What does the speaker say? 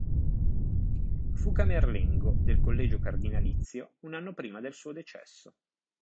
Fu camerlengo del Collegio Cardinalizio un anno prima del suo decesso.